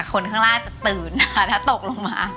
คนข้างล่างจะตื่นนะคะถ้าตกลงมา